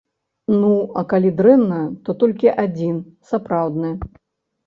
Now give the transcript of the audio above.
Ну, а калі дрэнна, то толькі адзін, сапраўдны.